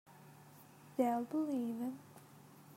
They'll believe him.